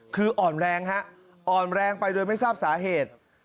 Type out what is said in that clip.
คืออ่อนแรงฮะอ่อนแรงไปโดยไม่ทราบสาเหตุ